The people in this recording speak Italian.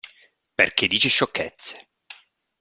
Perché dice sciocchezze.